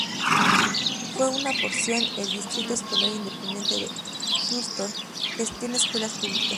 En una porción, el Distrito Escolar Independiente de Houston gestiona escuelas públicas.